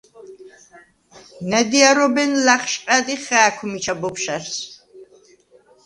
ნა̈დიარობენ ლა̈ხშყა̈დ ი ხა̄̈ქვ მიჩა ბოფშა̈რს: